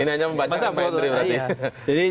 ini hanya membaca apa yang terjadi berarti